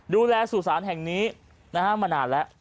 ดูแลสู่สารแห่งนี้มานานแล้ว